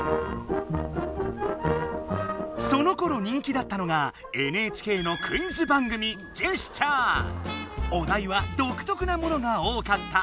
そのころ人気だったのがＮＨＫのクイズ番組お題はどくとくなものが多かった。